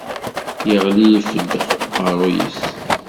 Yeɣli ifeddex uqerru-s!